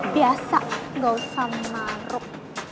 biasa gausah maruk